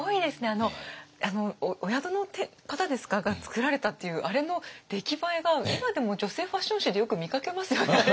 あのお宿の方が作られたっていうあれの出来栄えが今でも女性ファッション誌でよく見かけますよねあれ。